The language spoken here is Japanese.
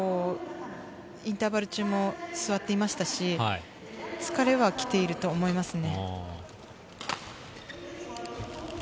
インターバル中も座っていましたし、疲れは来ていると思いますね。